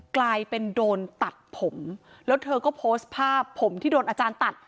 กลายเป็นโดนตัดผมแล้วเธอก็โพสต์ภาพผมที่โดนอาจารย์ตัด